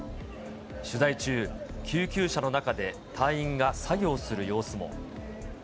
取材中、救急車の中で隊員が作業する様子も。